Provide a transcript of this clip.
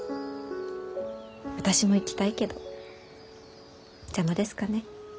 私も行きたいけど邪魔ですかね。